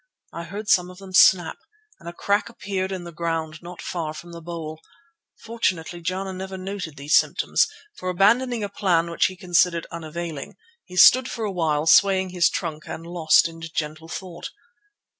I heard some of them snap, and a crack appeared in the ground not far from the bole. Fortunately Jana never noted these symptoms, for abandoning a plan which he considered unavailing, he stood for a while swaying his trunk and lost in gentle thought.